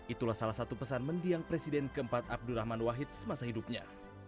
itulah salah satu pesan mendiang presiden keempat abdurrahman wahid semasa hidupnya